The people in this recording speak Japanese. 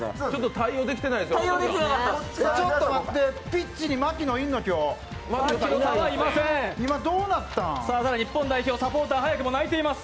対応できてなかったです。